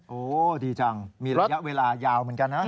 โอ้ดีจังมีระยะเวลายาวเหมือนกันนะ